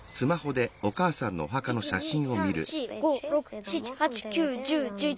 １２３４５６７８９１０１１。